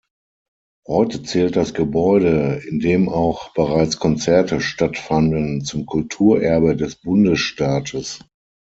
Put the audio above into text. Heute zählt das Gebäude, in dem auch bereits Konzerte stattfanden, zum Kulturerbe des Bundesstaates.